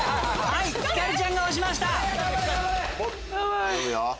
ひかるちゃんが押しました。